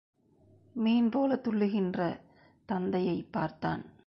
மீன்போலத் துள்ளுகின்ற தந்தையைப் பார்த்தான்.